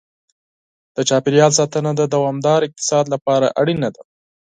د چاپېریال ساتنه د دوامدار اقتصاد لپاره اړینه ده.